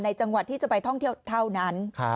จังหวัดที่จะไปท่องเที่ยวเท่านั้น